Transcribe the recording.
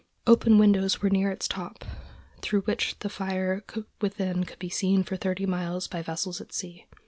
Open windows were near its top, through which the fire within could be seen for thirty miles by vessels at sea.